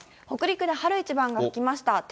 北陸で春一番が来ました。